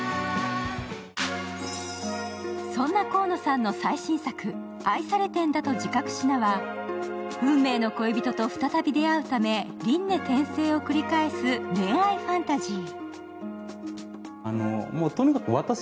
そんな河野さんの最新作「愛されてんだと自覚しな」は、運命の恋人と再び出会うため輪廻転生を繰り返す恋愛ファンタジー。